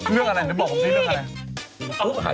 ไม่ได้ไปด้วยกันเหรอ